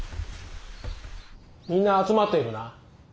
みんな集まっているな。